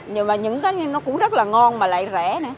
nhưng mà những cái nó cũng rất là ngon mà lại rẻ nè